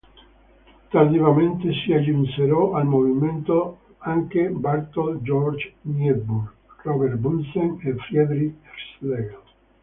Tardivamente si aggiunsero al movimento anche Barthold Georg Niebuhr, Robert Bunsen e Friederich Schlegel.